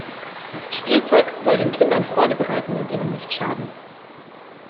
Spielzeug soll den Kindern Freude bereiten und ihnen nicht schaden.